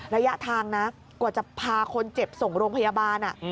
ระยะทางนะกว่าจะพาคนเจ็บส่งโรงพยาบาล